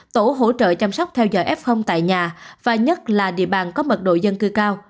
tổ hỗ trợ chăm sóc theo giờ f tại nhà và nhất là địa bàn có mật độ dân cư cao